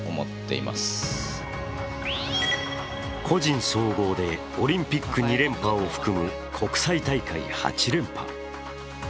個人総合でオリンピック２連覇を含む国際大会８連覇。